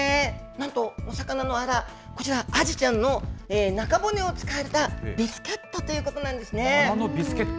なんとお魚のアラ、こちら、アジちゃんの中骨を使ったビスケットということなんですね。